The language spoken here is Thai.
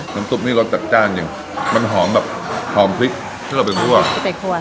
น้ำตุ๋นนี่รสจัดจ้านจริงมันหอมแบบหอมพริกที่เราเป็นครัวเป็นครัวค่ะ